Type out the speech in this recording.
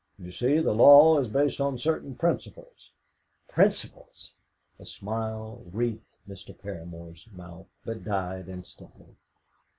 You see, the law is based on certain principles." "Principles?" A smile wreathed Mr. Paramor's mouth, but died instantly.